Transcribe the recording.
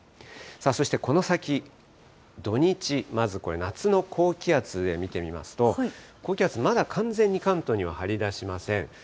そしてこの先、土日、まずこれ、夏の高気圧で見てみますと、高気圧、まだ完全に関東には張り出しません。